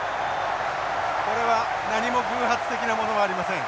これは何も偶発的なものはありません。